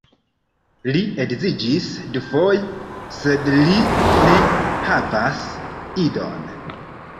Li edziĝis dufoje, sed li ne havas idon.